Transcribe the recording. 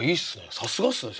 さすがっすね先生。